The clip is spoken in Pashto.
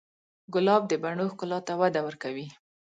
ګلاب د بڼو ښکلا ته وده ورکوي.